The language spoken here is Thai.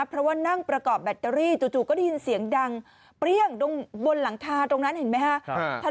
เพราะว่านั่งประกอบแบตเตอรี่จู่ก็ได้ยินเสียงดังเปรี้ยงตรงบนหลังคาตรงนั้นเห็นไหมฮะ